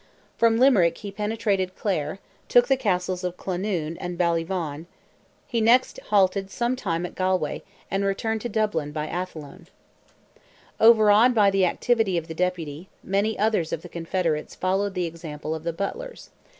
From Limerick he penetrated Clare, took the Castles of Clonoon and Ballyvaughan; he next halted some time at Galway, and returned to Dublin by Athlone. Overawed by the activity of the Deputy, many others of the confederates followed the example of the Butlers.